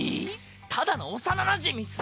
ただの幼なじみっす。